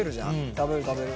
食べる食べる。